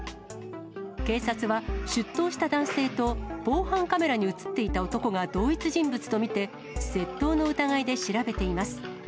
警察は、出頭した男性と、防犯カメラに写っていた男が同一人物と見て、窃盗の疑いで調べています。